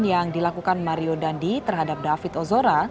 yang dilakukan mario dandi terhadap david ozora